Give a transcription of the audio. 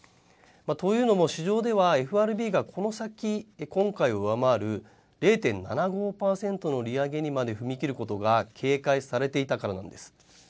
というのも、市場ではＦＲＢがこの先、今回を上回る０．７５％の利上げにまで踏み切ることが警戒されていたからなんです。